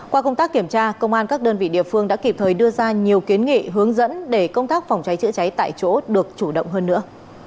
qua công tác kiểm tra công an các đơn vị địa phương đã kịp thời đưa ra nhiều kiến nghị hướng dẫn để công tác phòng cháy chữa cháy tại chỗ được chủ động hơn nữa